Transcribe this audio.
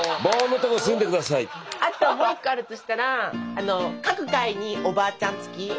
あともう１個あるとしたら各階におばあちゃん？